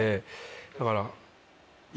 だから。